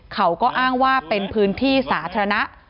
เขาก็อ้างว่าเป็นพื้นที่สาธารณะ